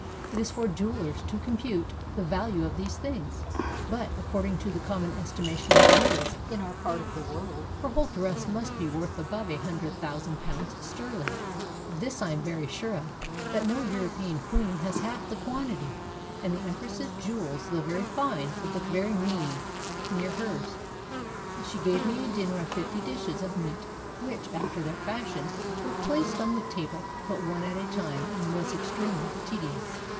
It is for jewelers to compute the value of these things; but, according to the com mon estimation of jewels in our part of the world, her whole dress must be worth above a hundred thousand pounds sterling. This I am very sure of, that no Eu ropean queen has half the quantity; and the empress's jewels, though very fine, would look very mean near hers. 512 DINING WITH THE SULTANA She gave me a dinner of fifty dishes of meat, which (after their fashion) were placed on the table, but one at a time, and was extremely tedious.